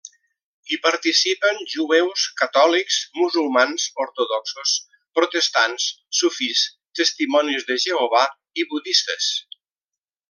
Hi participen jueus, catòlics, musulmans, ortodoxos, protestants, sufís, testimonis de Jehovà i budistes.